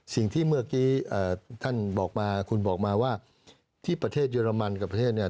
สิ่งที่เมื่อกี้ท่านบอกมาคุณบอกมาว่าที่ประเทศเยอรมันกับประเทศเนี่ย